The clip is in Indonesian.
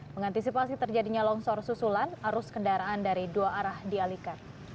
mengantisipasi terjadinya longsor susulan arus kendaraan dari dua arah dialihkan